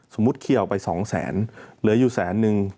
สมมุติเคลียร์ออกไป๒แสนเหลืออยู่แสนนึง